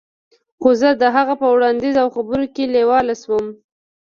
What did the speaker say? خو زه د هغه په وړاندیز او خبرو کې لیواله شوم